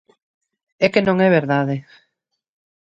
É que non é verdade.